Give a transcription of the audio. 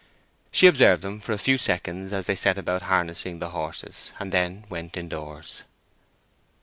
She observed them for a few seconds as they set about harnessing the horses, and then went indoors.